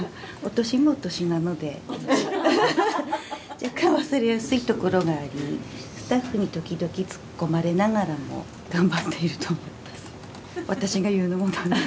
若干忘れやすいところがありスタッフに時々ツッコまれながらも頑張っていると思います。